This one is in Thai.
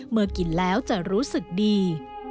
เมื่อกินแล้วจะรู้สึกดี